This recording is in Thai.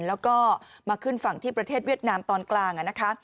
แล้วก็มาขึ้นฝั่งที่ประเทศเวียดนามตอนกลางนะคะ